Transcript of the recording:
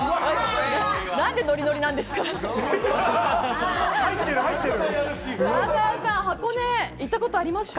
何でノリノリなんですか？